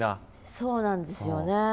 そうなんですよね。